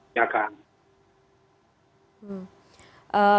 kami mendapatkan informasi bahwa pelaku ini